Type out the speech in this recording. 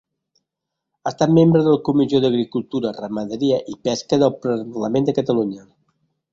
Ha estat membre de la Comissió d'agricultura, ramaderia i pesca del Parlament de Catalunya.